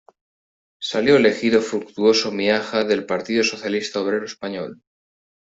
Salió elegido Fructuoso Miaja del Partido Socialista Obrero Español.